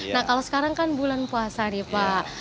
nah kalau sekarang kan bulan puasa nih pak